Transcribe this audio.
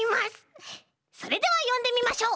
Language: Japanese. それではよんでみましょう！